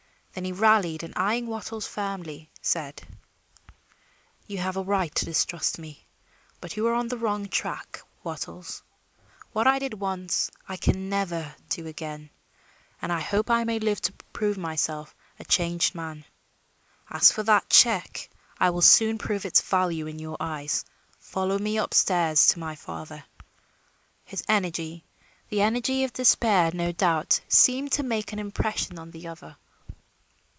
Then he rallied and eying Wattles firmly, said: "You have a right to distrust me, but you are on the wrong track, Wattles. What I did once, I can never do again; and I hope I may live to prove myself a changed man. As for that check, I will soon prove its value in your eyes. Follow me up stairs to my father." His energy the energy of despair, no doubt seemed to make an impression on the other.